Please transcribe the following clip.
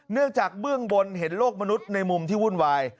เนื่องจากเบื้องบนเห็นโลกมนุษย์ในมุมที่วุ่นวาย